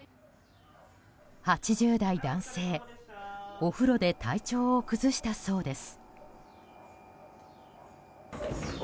８０代男性お風呂で体調を崩したそうです。